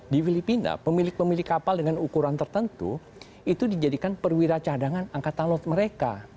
di filipina pemilik pemilik kapal dengan ukuran tertentu itu dijadikan perwira cadangan angkatan laut mereka